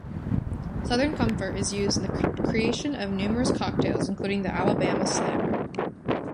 Southern Comfort is used in the creation of numerous cocktails, including the Alabama Slammer.